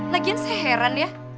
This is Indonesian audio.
lagian saya heran ya